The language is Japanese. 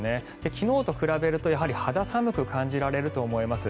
昨日と比べるとやはり肌寒く感じられると思います。